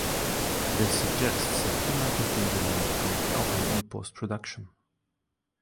This suggests that he might have been removed from the album in post production.